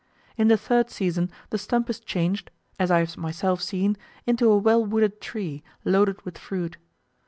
In the third season the stump is changed (as I have myself seen) into a well wooded tree, loaded with fruit.